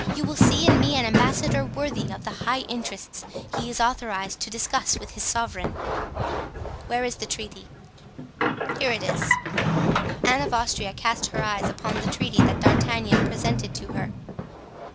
You will see in me an ambassador worthy of the high interests he is authorized to discuss with his sovereign." "Where is the treaty?" "Here it is." Anne of Austria cast her eyes upon the treaty that D'Artagnan presented to her.